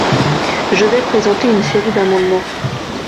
Je vais présenter une série d’amendements.